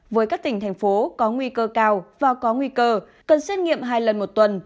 với các tỉnh thành phố có nguy cơ cao và có nguy cơ cần xét nghiệm hai lần một tuần